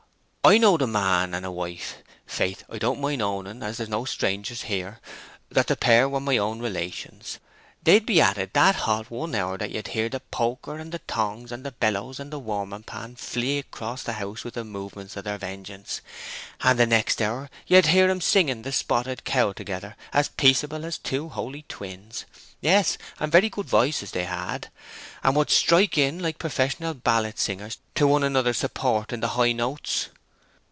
"I knowed a man and wife—faith, I don't mind owning, as there's no strangers here, that the pair were my own relations—they'd be at it that hot one hour that you'd hear the poker and the tongs and the bellows and the warming pan flee across the house with the movements of their vengeance; and the next hour you'd hear 'em singing 'The Spotted Cow' together as peaceable as two holy twins; yes—and very good voices they had, and would strike in like professional ballet singers to one another's support in the high notes."